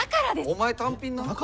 お前単品な。